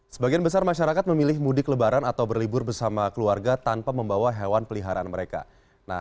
sebagian besar masyarakat memilih mudik lebaran atau berlibur bersama keluarga tanpa membawa hewan peliharaan mereka